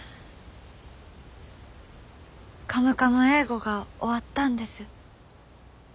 「カムカム英語」が終わったんです。